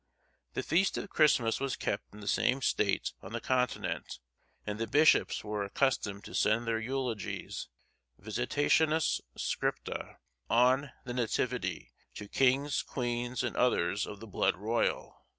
The feast of Christmas was kept in the same state on the Continent, and the bishops were accustomed to send their eulogies—Visitationis Scripta—on the Nativity, to kings, queens, and others of the blood royal.